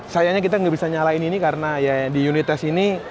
sayangnya kita nggak bisa nyalain ini karena ya di unit tes ini